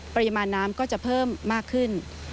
ปริมาณน้ำก็จะเพิ่มมากขึ้น